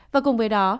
và cùng với đó